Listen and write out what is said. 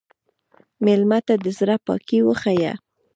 مېلمه ته د زړه پاکي وښیه.